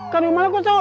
kan rumah lo kok tau